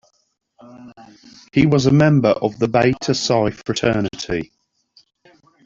He was a member of the Beta Psi fraternity.